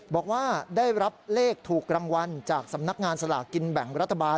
บอกว่าได้รับเลขถูกรางวัลจากสำนักงานสลากกินแบ่งรัฐบาล